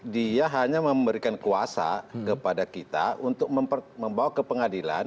dia hanya memberikan kuasa kepada kita untuk membawa ke pengadilan